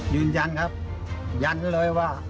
ยืนยันครับยันเลยว่า